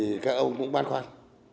thì các ông cũng bán khoản